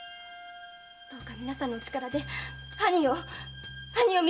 どうか皆さんのお力で兄を見つけてください！